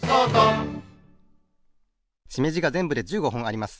しめじがぜんぶで１５ほんあります。